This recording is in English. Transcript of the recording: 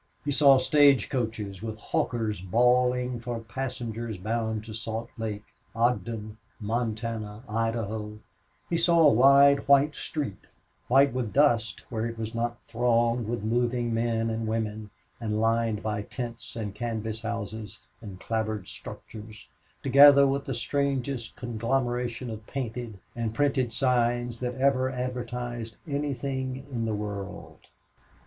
He saw stage coaches with hawkers bawling for passengers bound to Salt Lake, Ogden, Montana, Idaho; he saw a wide white street white with dust where it was not thronged with moving men and women, and lined by tents and canvas houses and clapboard structures, together with the strangest conglomeration of painted and printed signs that ever advertised anything in the world.